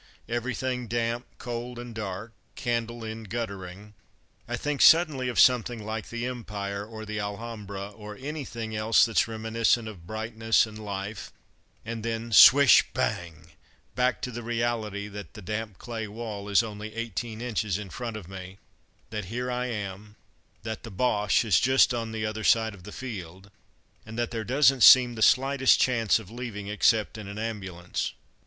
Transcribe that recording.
Everything damp, cold and dark; candle end guttering. I think suddenly of something like the Empire or the Alhambra, or anything else that's reminiscent of brightness and life, and then swish, bang back to the reality that the damp clay wall is only eighteen inches in front of me; that here I am that the Boche is just on the other side of the field; and that there doesn't seem the slightest chance of leaving except in an ambulance.